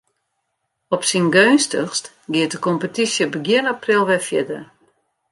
Op syn geunstichst giet de kompetysje begjin april wer fierder.